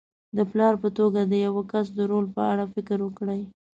د پلار په توګه د یوه کس د رول په اړه فکر وکړئ.